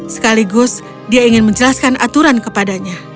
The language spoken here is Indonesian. sekaligus dia ingin menjelaskan aturan kepadanya